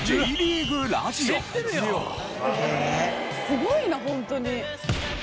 すごいなホントに。